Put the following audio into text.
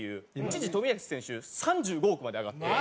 一時冨安選手３５億まで上がって。